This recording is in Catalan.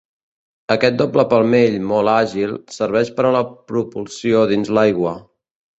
Aquest doble palmell, molt àgil, serveix per a la propulsió dins l'aigua.